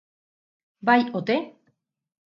Bai ote?